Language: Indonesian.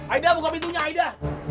aida buka pintunya aida